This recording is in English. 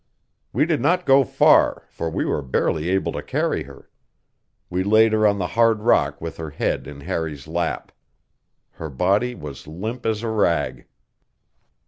We did not go far, for we were barely able to carry her. We laid her on the hard rock with her head in Harry's lap. Her body was limp as a rag.